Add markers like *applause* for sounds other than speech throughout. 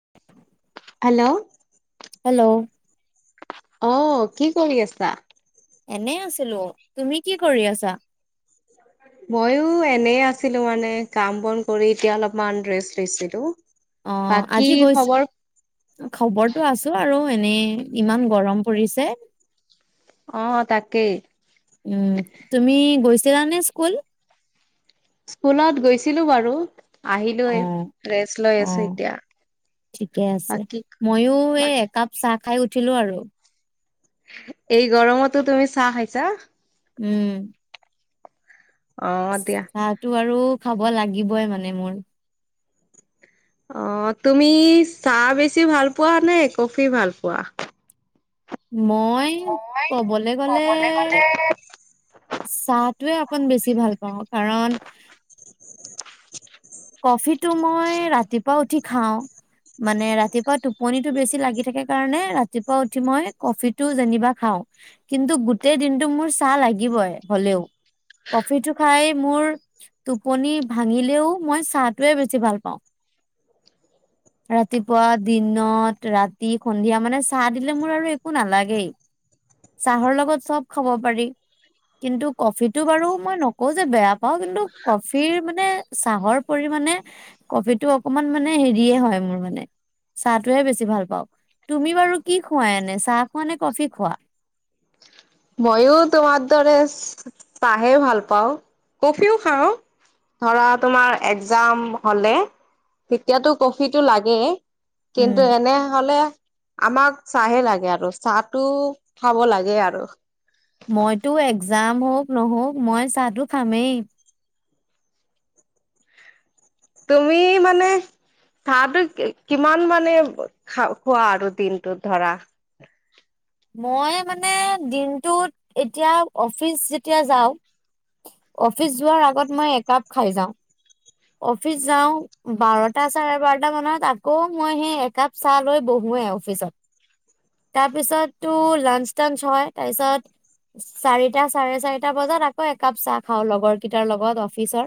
*inaudible* Hello hello অ কি কৰি আছা এনে আছিলোঁ তুমি কি কৰি আছা ময়ো এনে আছিলোঁ মানে কাম বন কৰি এতিয়া অলপমান ৰেষ্ট লৈছিলোঁ অ আজি গৈছো খবৰটো আছো আৰু এনেই ইমান গৰম পৰিছে অ তাকেই উম তুমি গৈছ জৰানী স্কুল স্কুলত গৈছিলো বাৰু অ আহিলোৱে ৰেষ্ট লৈ অ আছো এতিয়া। ঠিকে আছে বাকী ময়ো এই একাপ চাহ খাই উঠিলো আৰু এই গৰমতো তুমি চাহ খাইছা উম অ দিয়া। চাহো আৰু খাব লাগিবই মানে মোৰ অ তুমি চাহ বেছি ভাল পোৱা নে কফি ভাল পোৱা মই মই ক'বলৈ গ'লে ক'বলে গ'লে চাহটোৱে আকন বেছি ভাল পাওঁ কাৰণ *inaudible* কফিটো মই ৰাতিপুৱা উঠি খাওঁ মানে ৰাতিপুৱা টোপনিটো বেছি লাগি থাকে কাৰণে ৰাতিপুৱা উঠি মই কফিটো যেনিবা খাওঁ কিন্তু গোটেই দিনটো মোৰ চাহ লাগিবই হলেও কফি টো খাই মোৰ টোপনি ভাঙিলেও মই চাহটোৱে বেছি ভাল পাওঁ ৰাতিপুৱা দিনত ৰাতি সন্ধিয়া মানে চাহ দিলে মোৰ আৰু একো নালাগেই চাহৰ লগত চব খাব পাৰি কিন্তু কফিটো বাৰু মই নকওঁ যে বেয়া পাওঁ কিন্তু কফিৰ মানে চাহৰ পৰি মানে কফিটো অকমান মানে হেৰিয়ে হয় মোৰ মানে চাহটোহে বেছি ভাল পাওঁ তুমি বাৰু কি খুৱাই এনে চাহ খোৱা নে কফি খোৱা মইো তোমাৰ দৰে চাহে ভাল পাওঁ কফিও খাওঁ ধৰা তোমাৰ একজাম হ'লে তেতিয়াতো কফিটো লাগেই উম কিন্তু এনে হলে আমাক চাহে লাগে আৰু চাহটো খাব লাগে আৰু মইতো এক্জাম হওক নহওক মই চাহটো খামেই তুমি মানে চাহটো কিমান মানে খা খোৱা আৰু দিনটোত ধৰা মই মানে দিনটোত এতিয়া অফিচ যেতিয়া যাওঁ অফিচ যোৱাৰ আগত মই একাপ খাই যাওঁ অফিচ যাওঁ বাৰটা চাৰে বাৰটা মানত আকৌ মই সেই একাপ চাহ লৈ বহোোৱেই অফিচত তাৰপিছতো লাঞ্চ টাঞ্চ হয় তাৰপিছত চাৰিটা চাৰে চাৰিটা বজাত আকৌ একাপ চাহ খাওঁ লগৰ কেইটাৰ লগত অফিচৰ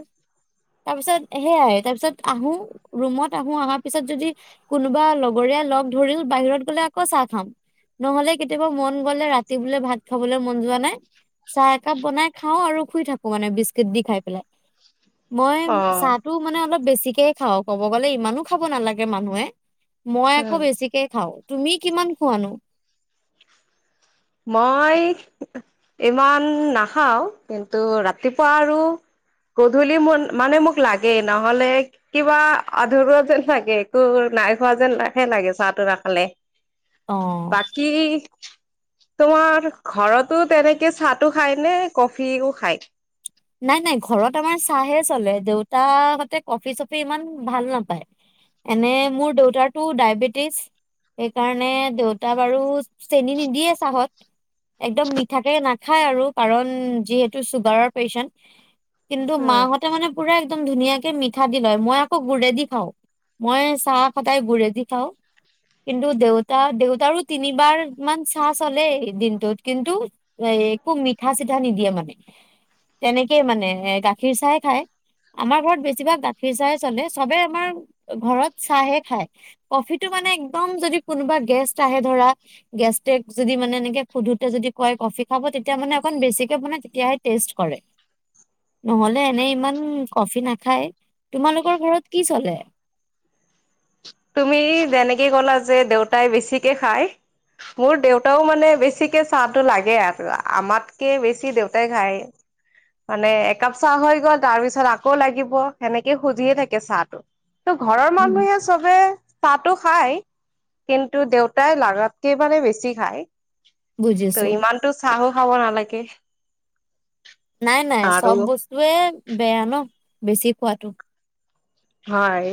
তাৰ পি আহত আহো আহাৰ পিছত যদি কোনোবা লগৰীয়া লগ ধৰিল বাহিৰত গলে আকৌ চাহ খ নহলে কেতিয়াবা মন গলে ৰাতি ব ভ খলৈ মন য চাহ একাপ বনাই খও আৰু শু থাক মানে বিস্ দি খাই পেলাই অ', চাহটো মানে অলপ বেছি বতিকে খাওঁ ক'ব গ'লে ইমানো খাব নালাগে মানুহে মই আকৌ উম বেছিকে খাওঁ তুমি কিমান খুৱনো মই ইমান নাখাও কিন্তু ৰাতিপুৱা আৰু গধূলি ম মানে মোক লাগেই নহলে কিবা আধৰুৱা যেন লাগে একো নাই খোৱা যেন হে লাগে চাহটো নাখালে অ বাকি তোমাৰ ঘৰতো তেনেকে চাহো খায় নে কফিও খায় নাই নাই ঘৰত আমাৰ চাহে চলে দেউতা হতে কফি চফি ইমান ভাল নাপায় এনে মোৰ দেউতাৰো ডায়বেটিছ সেইকাৰণে দেউতা বাৰু চেনী নিদিয়ে চাহত একদম মিঠাকে নাখায় আৰু কাৰণ যিহেতু চুগাৰৰ পেচণ্ কিন্তু মাহতে মানে পুৰা একদম ধুনীয়াকে মিঠা দি লয় মই আকৌ গুৰেদি খাওঁ মই চাহ সদাই গুৰেদি খাওঁ কিন্তু দেউতা দেউতাৰো তিনিবাৰ মান চাহ চলে দিনটোত কিন্তু এ একো মিঠা চিঠা নিদিয়ে মানে তেনেকেই মানে গাখীৰ চাহ খায় আমাৰ ঘৰত বেছিভাগ গাখীৰ চাহ চলে চবে আমাৰ ঘৰত চাহে খায় কফিটো মানে একদম যদি কোনোবা গেষ্ট আহে ধৰা গেষ্টে যদি মানে এনেকে সোধোতে যদি কয় কফি খাব তেতিয়া মানে অকন বেছিকে বনাই তেতিয়াহে টেষ্ট কৰে নহলে এনে ইমান কফি নাখায় তোমালোকৰ ঘৰত কি চলে! তুমি যেনেকে ক'লা যে দেউতাই বেছিকে খায়, মোৰ দেউতাও মানে বেছিকে চাহটো লাগে আৰু আমাতকে বেছি দেউতাই খায় মানে একাপ চাহ হৈ গল তাৰ পিছত আকৌ লাগিব সেনেকে খুজিয়ে থাকে চাহটো। টোৰ ঘৰৰ উম, মানুহে চাহটো খাই, কিন্তু দেউতাই লাগাতকে মানে বেছি খায়। বুজিছো ত ইমানটো চাহো খাব নালাগে। কে নাই নাই চব বস্তুয়ে বেয়া ন বেছি খোৱাটো হয়।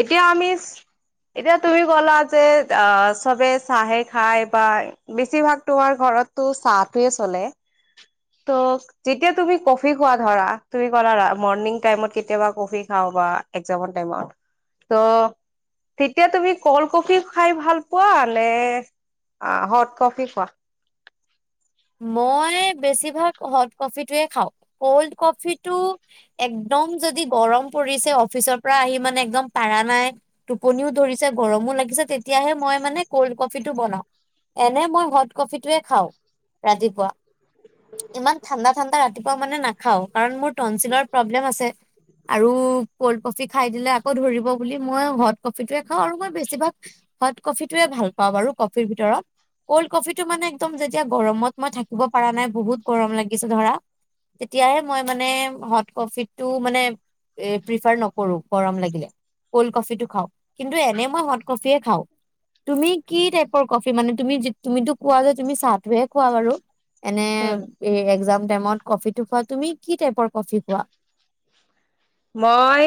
এতিয়া আমি এতিয়া তুমি কলা যে চবে চাহে খাই বা বেছিভাগ তোমাৰ ঘৰতটো চাহটোৱে চলে ত যেতিয়া তুমি কফী খোৱা ধৰা তুমি কলা মৰ্নিং টাইমত কেতিয়াবা কফী খাওঁ বা এগ ত তেতিয়া তুমি ক'ল কফি খাই ভাল পোৱা নে হট কফি খোৱা মই বেছিভাগ হট কফিটোৱে খাওঁ ক'ল্ড কফিটো একদম যদি গৰম পৰিছে অফিচৰ পৰা আহি মানে একদম পাৰা নাই টোপনিও ধৰিছে গৰমো লাগিছে তেতিয়াহে মই মানে ক'ল্ড কফিটো বনাওঁ এনে মই হট কফিটোৱে খাওঁ। ৰাতিপুৱা। ইমান ঠাণ্ডা ঠাণ্ডা। ৰাতিপুৱা মানে নাখাওঁ কাৰণ মোৰ টনচিলৰ প্ৰব্লেম আছে আৰু ক'ল্ড কফি খাই দিলে আকৌ ধৰিব বুলি মই হট কফিটোয়ে খাওঁ আৰু মই বেছিভাগ হট কফিয়ে ভাল পাওঁ বাৰু কফিৰ ভিতৰত ক'ল্ড কফিটো মানে একদম যেতিয়া। গৰমত মই থাকিব পৰা নাই বহুত গৰম লাগিছে ধৰা তেতিয়াহে মই মানে হট কফিটো মানে প্ৰিফাৰ নকৰো গৰম লাগিলে কল্ড কফিটো খাওঁ কিন্তু এনে মই হট কফিয়ে খাওঁ তুমি কি টাইপৰ কফি মানে তুমি তুমিতো কোৱা যে তুমি চাহ। দে কোৱা বাৰু এনে এৰ্গজাম ইমান কফিটো খোৱা তুমি কি টাইপৰ কফি খোৱা। মই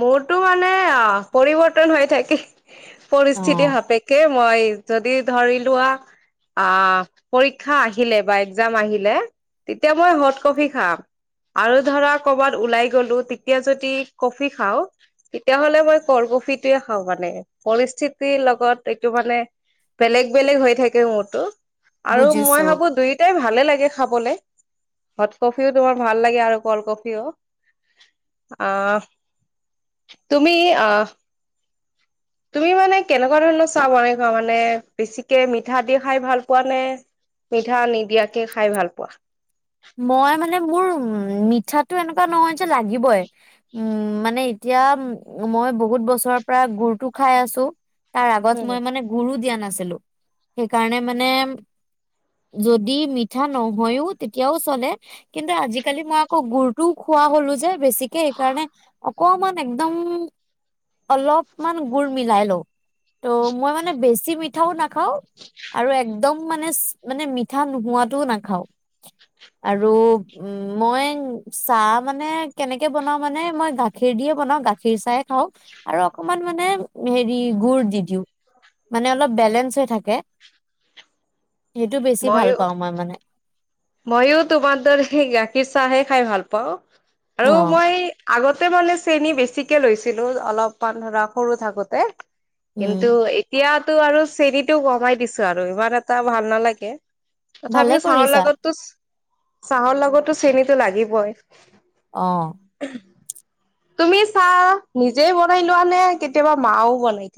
মোৰটো মানে অ পৰিৱৰ্তন হৈ থাকে। অ পৰিস্থিতি সাপেক্ষে মই যদি ধৰি লোৱা আ পৰীক্ষা আহিলে বা এৰ্গজাম আহিলে তেতিয়া মই হট কফি খাওঁ আৰু ধৰা কবাত ওলাই গলো। এতিয়া যদি কফি খাওঁ তেতিয়াাহ'লে মই ক'ল্ড কফিটোয়ে খাওঁ মানে, পৰিস্থিতিৰ লগত এইটো মানে বেলেগ বেলেগ হৈ থাকে মুদতো। আৰু মই বুজিছো ভাৱো দুয়োটাই ভালে লাগে। খাৱলে হট কফিওঁ তোমাৰ ভাল লাগে আৰু ক'ল্ড কফিওঁ আহ তুমি আহ তুমি মানে কেনেকুৱা ধৰণৰ চাহ বনাই খোৱা মানে বেছিকে মিঠা দি খাই ভাল পোৱা নে মিঠা নিদিয়াকে খাই ভাল পোৱা। মই মানে মোৰ উ মিঠাটো এনেকুৱা নহয় যে লাগিবয়ে উম মানে এতিয়া মই বহুত বছৰৰ পৰা গুৰটো খাই আছো। তাৰ আগত মই মানে গুৰু দিয়া। নাছিলো সেইকাৰণে মানে যদি মিঠা নহয়ো তেতিয়া এতিয়াও চলে কিন্তু আজিকালি মই আকৌ গুৰটো খোৱা হলো যে বেছিকে সেইকাৰণে অকমান একদম অলপমান গুৰ মিলাই লওঁ ত' মই মানে বেছি মিঠাওঁ নাখাওঁ আৰু একদম মানে মানে মিঠা নোহোৱাটোও নাখাওঁ। আৰু উ মই চাহ মানে কেনেকে বনাওঁ মানে মই গাখীৰ দিয়ে বনাওঁ গাখীৰ চাহে খাওঁ আৰু অকমান মানে হেৰি গুৰ দি দিওঁ মানে অলপ বেলেঞ্চ হৈ থাকে। সেইটো বেছি ভাল পাওঁ মই মানে। মইও তোমাৰ দৰে গাখীৰ চাহে খাই ভাল পাওঁ। অ আৰু মই আগত ততে মানে চেনি বেছিকে লৈছিলো অলপমান ধৰা সৰু থাকোতে। উম কিন্তু এতিয়া টো আৰু চেনিটো কমাই দিছোঁ আৰু ইমান এটা ভাল নালাগে। ভালে তথাপিও, চাহৰ কৰিছা লগত, - চাহৰ লগতো চেনিটো লাগিবই। অহ', তুমি', চাহ নিজেই বনাই লোৱা নে? কেতিয়াবা মাও বনাই?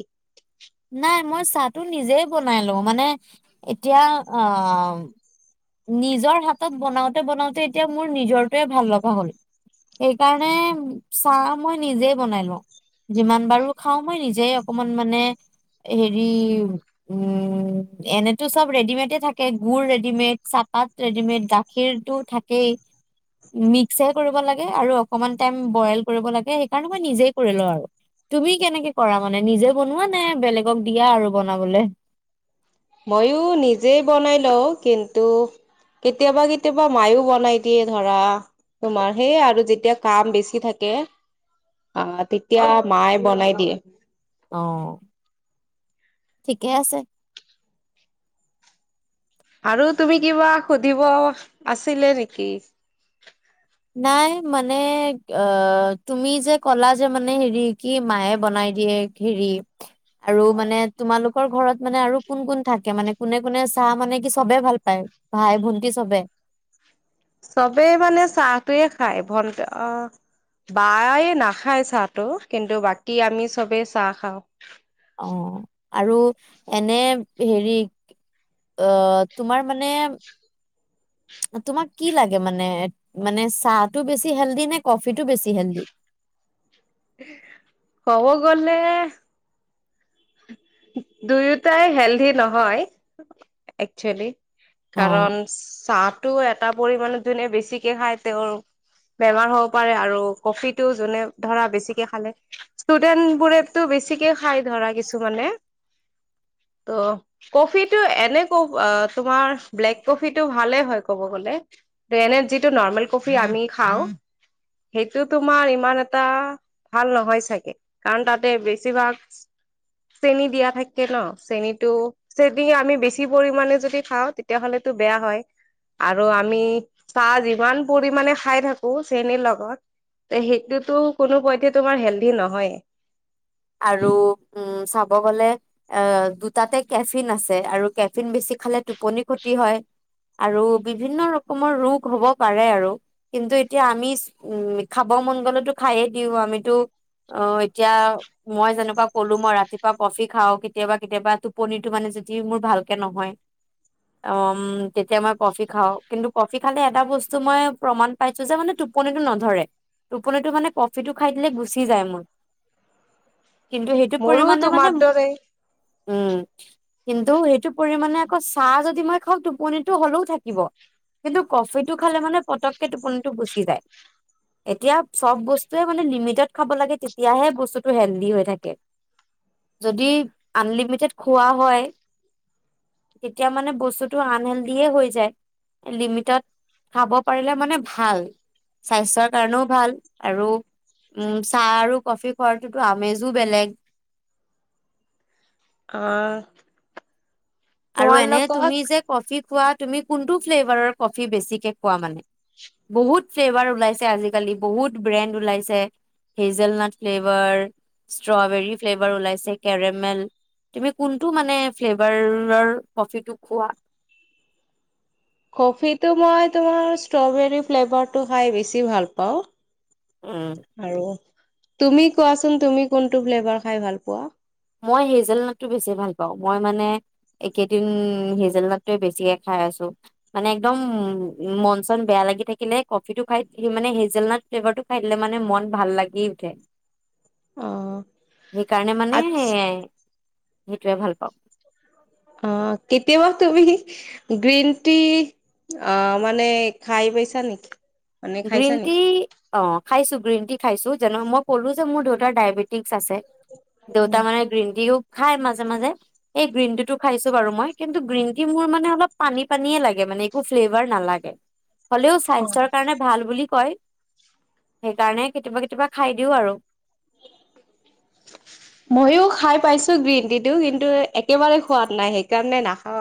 নাই মই চাহটো নিজে বনাই লওঁ, মানে এতিয়া আ, - নিজৰ হাতত বনাওঁতে -বনাওঁতে এতিয়া মোৰ নিজৰটোৱে ভাল লগা হ'ল। সেইকাৰণে চাহ মই নিজে বনাই লওঁ, যিমান বাৰো খাওঁ মই নিজেই অকমান মানে হেৰি উম, ' এনেতো চব ৰেডিমেটে থাকে গুৰ -ৰেডিমেট। চাহপাত, ৰেডিমেড গাখীৰটো থাকেই। মিস্কহে কৰিব লাগে আৰু অকমান টাইম বইল কৰিব লাগে, সেইকাৰণে মই নিজে কৰি লওঁ আৰু তুমি কেনেকে কৰা? মানে, নিজে বনোৱা নে', বেলেগক দিয়া আৰু বনাবলে? ময়ো নিজে বনাই লওঁ, কিন্তু কেতিয়াবা- -কেতিয়াবা মাইও বনাই দিয়ে। ধৰা তোমাৰ সেই আৰু যেতিয়া কাম বেছি থাকে, আহ, ' তেতিয়া মায় বনাই দিয়ে। অহ', ঠিকে আছে। আৰু তুমি, কিবা সুধিব আছিলে নেকি? নাই মানে অ, ' তুমি যে, কলা যে, '-মানে হেৰি কি মায়ে বনাই দিয়ে হেৰি, ' আৰু মানে তোমালোক, তেওঁৰ ঘৰত মানে আৰু কোন- কোন থাকে মানে, কোনে-কোনে চাহ মানে কি চবে ভাল পায়? ভাই -ভন্টি চবে? চবেই মানে চাহটোৱে খায় ভণ্ট-আ, ' বায় নাখায় চাহটো, কিন্তু বাকী আমি চবেই চাহ খাওঁ। অহ ', আৰু এনে হেৰি আহ, তোমাৰ মানে তোমাক কি লাগে? মানে মানে চাহটো বেছি হেল্ডি নে কফিটো বেছি হেল্ডি? কব গলেহ দুয়োটাই হেলদি নহয়? একচুৱেলি। অ'। কাৰণ চাতো এট তা পৰিমানত জুনে বেছিকে খাই তেওঁৰ বেমাৰ হ'ব পাৰে, আৰু কফিটো যোনে ধৰা বেছিকে খালে। ষ্টুডেণ্ট বোৰেটো বেছিকে খাই ধৰা কিছুমানে। অ, কফিটো এনেক-আ তোমাৰ ব্লেক কফিটো ভালে হয় ক'ব গলে। এনে যিটো নৰ্মেল কফি আমি খাওঁ সেইটো তোমাৰ ইমান এটা ভাল নহয় চাগে? কাৰণ তাতে বেছিভাগ চেনি দিয়া থাকে ন, চেনিটো চেনি আমি বেছি পৰিমাণে যদি খাওঁ তেতিয়াহলেতো বেয়া হয়। আৰু আমি চাহ যিমান পৰিমাণে খাই থাকোঁ চেনিৰ লগত তেহ সেইটোতো কোনোপধ্যেই তোমাৰ হেলডি নহয়। আৰু উম, চাব কব গলে আ, দুটাতে কেফিন আছে। আৰু কেফিন বেছি খালে টোপনি ক্ষতি হয়। আৰু বিভিন্ন ৰকমৰ ৰোগ হ'ব পাৰে। আৰু কিন্তু এতিয়া আমি উম, খাব মন গলেতো খায়ে দিওঁ আমিতো অ এতিয়া মই যেনেকুৱা ক'লো মই ৰাতিপুৱা কফি খাওঁ কেতিয়াবা কেতিয়াবা টোপনিটো মানে যদি মোৰ ভালকে নহয় ঔম, তেতিয়া মই কফি খাওঁ কিন্তু কফি খালে এটা বস্তু মই প্ৰমাণ পাইছো যে মানে টোপনিটো নধৰে। টোপনিটো মানে কফিটো খাই দিলে গুচি যায় মোৰ। কিন্তু সেইটো মোৰো পৰিমাণে মানে তোমাত দৰেই। উম, কিন্তু এইটো পৰিমাণে আকৌ চাহ যদি মই *unintelligible* টোপনিটো হ'লেও থাকিব। কিন্তু কফিটো খালে মানে পতককে টোপনিটো গুচি যায়। এতিয়া চব বস্তুৱে মানে লিমিটত খাব লাগে। তেতিয়াহে বস্তু *unintelligible* হেলডি হৈ থাকে। যদি আনলিমিটেত খোৱা হয়। তেতিয়া মানে বস্তুতটো আনহেলডিয়ে হয় যায়। লিমিটড খাব পাৰিলে মানে ভাল। স্বাস্থ্যৰ কাৰণেও ভাল আৰু উম, চাহ আৰু কফি খুৱাৰ কিন্তু আমেজো বেলেগ *unintelligible* আৰু তোমাৰ এনে লগত তুমি যে কফি খোৱা তুমি কোনটো ফ্লেভাৰৰ কফি বেছিকে খোৱা মানে? বহুত ফ্লেভাৰ ওলাইছে। আজিকালি বহুত ব্ৰেণ্ড ওলাইছে। হেজেলনাট ফ্লেভাৰ, ষ্ট্ৰৱেৰী ফ্লেভাৰ ওলাইছে। কেৰেমেল তুমি কোনটো মানে ফ্লেভাৰ কফিটো খোৱা কফিটো মই তোমাৰ ষ্ট্ৰৱেৰী ফ্লেভাৰটো খাই ভাল পাওঁ। উম। আৰু। তুমি কোৱাচোন তুমি কোনটো ফ্লেবাৰ খাই ভাল পোৱা? মই হেজেলনাটটো বেছি ভাল পাওঁ। মই মানে একেদিন উম, হেজেলনাটটোৱে বেছিয়ে খাই আছোঁ। মানে একদম-উম, মন চন বেয়া লাগি থাকিলে কফিটো খাই দিওঁ মানে হেজেলনাাট ফ্লেভাৰটো খাই দিলে মানে মন ভাল লাগি উঠে। অ সেইকাৰণে মানে আচ্ছ সে সেইটোৱে ভাল পাওঁ অ কেতিয়াবা তুমি গ্ৰীণ টি অ মানে খাই পাইছা নেকি মানে খাইছা গ্ৰীণ টি নেকি অ খাইছো গ্ৰীণ টি খাইছো যেনো মই সলো যে মোৰ দেউতাৰ ডায়বেটিক আছে আছে দেউতা মানে গ্ৰীণটিও খাই মাজে মাজে এই গ্ৰীণ টি টো খাইছো বাৰু মই কিন্তু গ্ৰীণ টি মোৰ মানে অলপ পানী পানে লাগে মানে একো ফ্লেভাৰ নালাগে হ'লেও অ ছায়ন্সৰ ভাল বুলি কয় সেইকাৰণে কেতিয়াবা কেতিয়াবা খাই দিও আৰু ময়ো খাই পাইছো গ্ৰীণ টি টো কিন্তু একেবাৰে সোৱাদ নাই সেইকাৰণে নাখাও